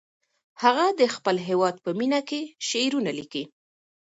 هغه د خپل هېواد په مینه کې شعرونه لیکي.